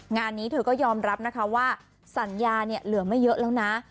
งานนี้เธอก็ยอมรับนะคะว่าสัญญาเนี่ยเหลือไม่เยอะแล้วนะ